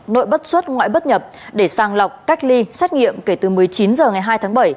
nội bất xuất ngoại bất nhập để sang lọc cách ly xét nghiệm kể từ một mươi chín h ngày hai tháng bảy